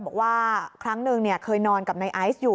บอกว่าครั้งหนึ่งเคยนอนกับนายไอซ์อยู่